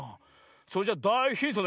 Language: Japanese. それじゃだいヒントね。